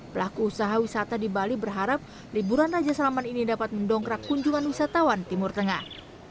pelaku usaha wisata di bali berharap liburan raja salman ini dapat mendongkrak kunjungan wisatawan timur tengah